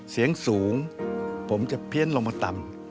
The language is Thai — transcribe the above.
เสียงสูงผมจะเพี้ยนลงมาต่ำ